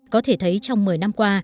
có thể thấy trong một mươi năm qua